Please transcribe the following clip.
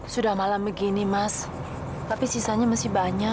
sudah malam begini mas tapi sisanya masih banyak